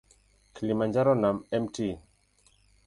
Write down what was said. Kilimanjaro na Mt.